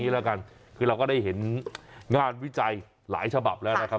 เราก็ได้เห็นงานวิจัยหลายฉบับแล้วนะครับ